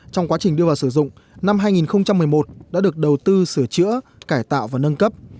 trong quá trình đưa vào sử dụng năm hai nghìn một mươi một đã được đầu tư sửa chữa cải tạo và nâng cấp